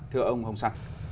thưa ông hồng săn